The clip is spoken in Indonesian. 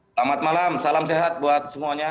selamat malam salam sehat buat semuanya